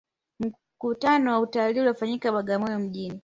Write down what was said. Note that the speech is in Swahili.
mkutano wa utalii uliyofanyikia bagamoyo mjini